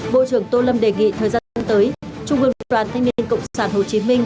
bộ trưởng tô lâm đề nghị thời gian tới trung ương đoàn thanh niên cộng sản hồ chí minh